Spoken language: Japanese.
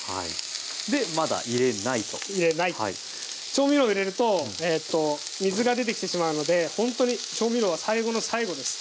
調味料入れると水が出てきてしまうのでほんとに調味料は最後の最後です。